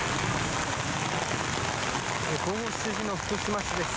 午後７時の福島市です。